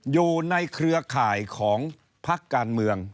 อยู่ในเครือข่ายของพักการเมือง